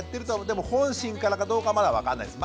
でも本心からかどうかまだ分かんないです。